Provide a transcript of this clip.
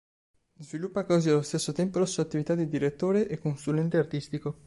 Sviluppa così allo stesso tempo la sua attività di direttore e consulente artistico.